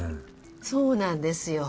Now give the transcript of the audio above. そうなんですよ。